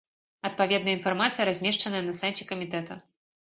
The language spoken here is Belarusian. Адпаведная інфармацыя размешчаная на сайце камітэта.